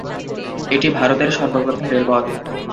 এটিই ভারতের সর্বপ্রথম রেলপথ।